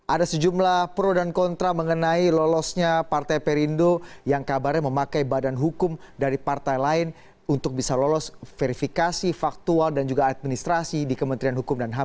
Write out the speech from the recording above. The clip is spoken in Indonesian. ada sejumlah pro dan kontra mengenai lolosnya partai perindo yang kabarnya memakai badan hukum dari partai lain untuk bisa lolos verifikasi faktual dan juga administrasi di kementerian hukum dan ham